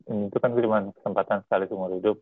ini kan cuma kesempatan sekali seumur hidup